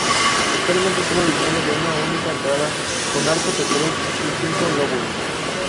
Actualmente sólo dispone de una única entrada, con arcos de tres y cinco lóbulos.